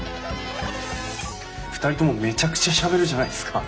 ２人ともめちゃくちゃしゃべるじゃないですか。